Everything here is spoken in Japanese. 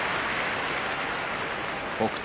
北勝